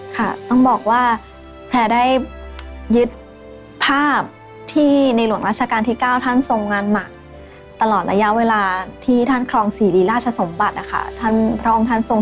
ค่ะต้องบอกว่าแพร่ได้ยึดภาพที่ในหลวงราชการที่๙ท่านทรงงานหนักตลอดระยะเวลาที่ท่านครองศรีรีราชสมบัตินะคะพระองค์ท่านทรง